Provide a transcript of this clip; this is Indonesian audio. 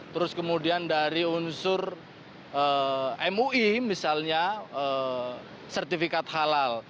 terus kemudian dari unsur mui misalnya sertifikat halal